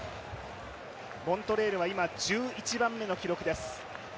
モントレールは今、１１番目の記録です。